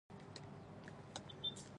انسان د لیک له لارې د مرګ پر ضد مبارزه وکړه.